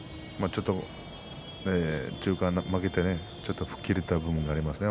ちょっと中間負けて吹っ切れた感じがしますね